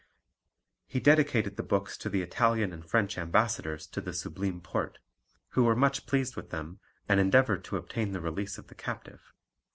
He dedicated the books to the Italian and French ambassadors to the Sublime Porte, who were much pleased with them and endeavoured to obtain the release of the captive.